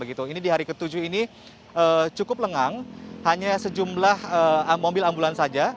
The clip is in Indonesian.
ini di hari ke tujuh ini cukup lengang hanya sejumlah mobil ambulans saja